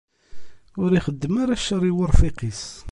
Ur ixeddem ara ccer i urfiq-is.